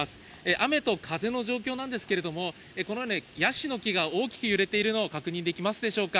雨と風の状況なんですけれども、このようにヤシの木が大きく揺れているのを確認できますでしょうか。